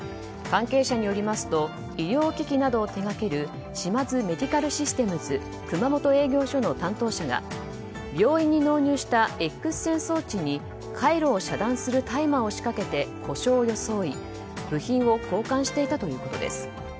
関係者によりますと医療機器などを手掛ける島津メディカルシステムズ熊本営業所の担当者が病院に納入したＸ線装置に回路を遮断するタイマーを仕掛けて故障を装い、部品を交換していたということです。